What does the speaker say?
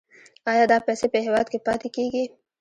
آیا دا پیسې په هیواد کې پاتې کیږي؟